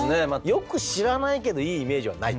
よく知らないけどいいイメージはないっていうね